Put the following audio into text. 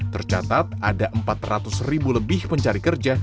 tercatat ada empat ratus ribu lebih pencari kerja